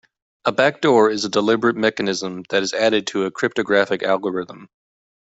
A backdoor is a deliberate mechanism that is added to a cryptographic algorithm.